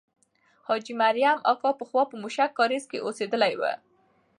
حاجي مریم اکا پخوا په موشک کارېز کې اوسېدلې وه.